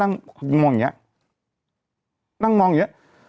นั่งมองอย่างเงี้ย